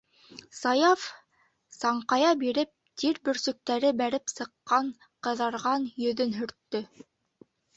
- Саяф, саңҡая биреп, тир бөрсөктәре бәреп сыҡҡан ҡыҙарған йөҙөн һөрттө.